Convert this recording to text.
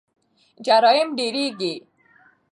جرایم ډیریږي.